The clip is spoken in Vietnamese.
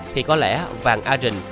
thì có lẽ vàng a rình